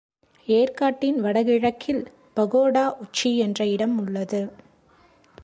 ஏர்க்காட்டின் வட கிழக்கில் பகோடா உச்சி என்ற இடம் உள்ளது.